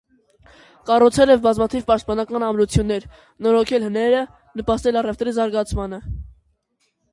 Կառուցել է բազմաթիվ պաշտպանական ամրություններ, նորոգել հները, նպաստել առևտրի զարգացմանը։